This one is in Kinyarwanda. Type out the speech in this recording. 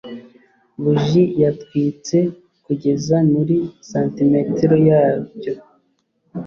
buji yatwitse kugeza muri santimetero yabyo